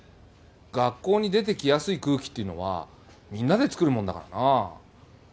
学校に出てきやすい空気っていうのはみんなで作るもんだからなあ